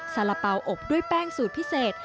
สาระเป๋าอบด้วยแป้งสูตรพิเศษ